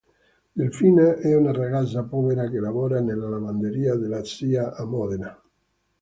Delfina è una ragazza povera che lavora nella lavanderia della zia a Modena.